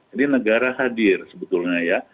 ini negara hadir sebetulnya ya